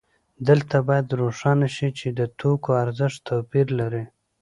دلته باید روښانه شي چې د توکو ارزښت توپیر لري